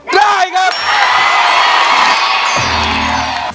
ได้ครับ